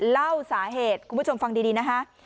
เล่าสาเหตุคุณผู้ชมฟังดีนะคะ